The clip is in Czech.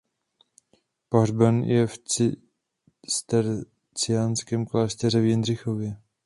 Pohřben je v cisterciáckém klášteře v Jindřichově.